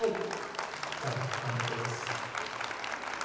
第一感の手です。